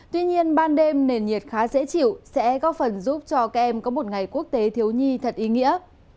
tuy nhiên ban đêm nền nhiệt khá dễ chịu sẽ góp phần giúp cho các em có một ngày quốc tế thiếu nhi thật ý nghĩa